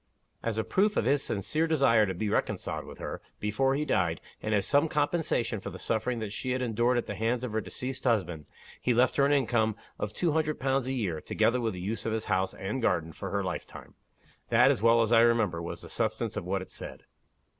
As a proof of his sincere desire to be reconciled with her, before he died, and as some compensation for the sufferings that she had endured at the hands of her deceased husband, he left her an income of two hundred pounds a year, together with the use of his house and garden, for her lifetime. That, as well as I remember, was the substance of what it said."